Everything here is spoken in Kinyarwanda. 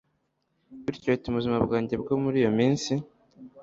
bityo bituma ubuzima bwanjye bwo muri iyo minsi